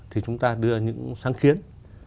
thì chúng ta đưa những sáng kiến